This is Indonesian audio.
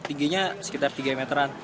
tingginya sekitar tiga meteran